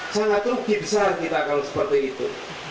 sangat rugi besar kita kalau seperti itu